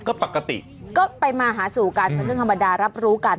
ก็ปกติก็ไปมาหาสู่การพันธุ์ธนธรรมดารับรู้กัน